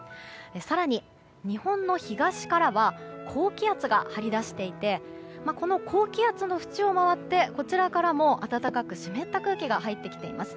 更に、日本の東からは高気圧が張り出していてこの高気圧の縁を回ってこちらからも暖かく湿った空気が入ってきています。